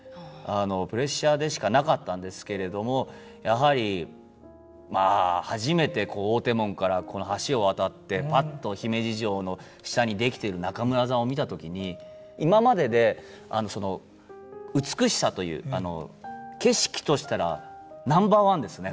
プレッシャーでしかなかったんですけれどもやはりまあ初めてこう大手門からこの橋を渡ってパッと姫路城の下に出来てる中村座を見た時に今までで美しさという景色としたらナンバーワンですね